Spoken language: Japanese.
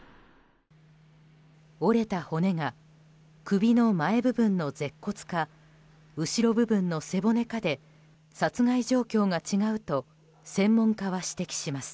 折れた骨が、首の前部分の舌骨か後ろ部分の背骨かで殺害状況が違うと専門家は指摘します。